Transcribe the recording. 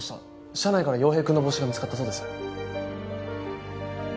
車内から陽平くんの帽子が見つかったそうです。